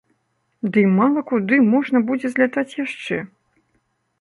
Дый мала куды можна будзе злятаць яшчэ?